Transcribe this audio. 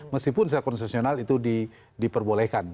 meskipun secara konsesional itu diperbolehkan